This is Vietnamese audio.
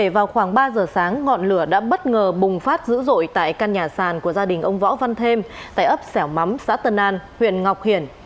vào khoảng ba giờ sáng ngọn lửa đã bất ngờ bùng phát dữ dội tại căn nhà sàn của gia đình ông võ văn thêm tại ấp xẻo mắm xã tân an huyện ngọc hiển